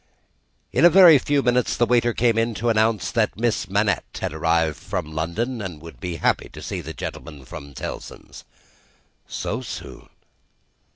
In a very few minutes the waiter came in to announce that Miss Manette had arrived from London, and would be happy to see the gentleman from Tellson's. "So soon?"